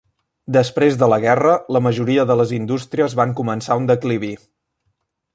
Després de la guerra, la majoria de les indústries van començar un declivi.